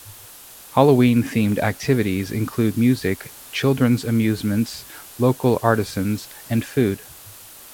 Halloween-themed activities include music, children's amusements, local artisans, and food.